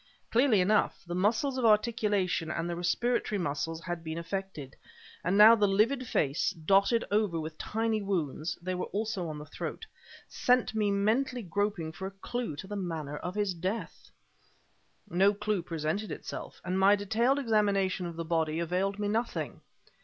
Clearly enough, the muscles of articulation and the respiratory muscles had been affected; and now the livid face, dotted over with tiny wounds (they were also on the throat), set me mentally groping for a clue to the manner of his death. No clue presented itself; and my detailed examination of the body availed me nothing.